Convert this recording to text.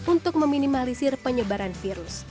untuk meminimalisir penyebaran virus